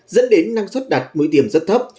dẫn đến năng suất đặt mũi tiêm rất thấp